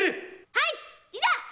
はいいざ！